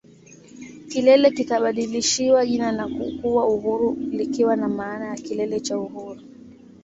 Kilele kikabadilishiwa jina na kuwa Uhuru likiwa na maana ya Kilele cha Uhuru